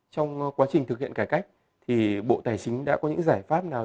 trong quá trình thực hiện cải cách thì bộ tài chính đã có những giải pháp nào